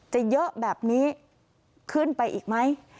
จะเยอะแบบนี้ขึ้นไปอีกไหม